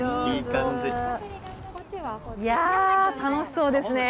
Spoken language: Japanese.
いやぁ、楽しそうですね。